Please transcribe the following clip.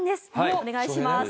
お願いします。